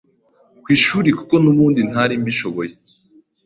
ku ishuri kuko n’ubundi ntari mbishoboye,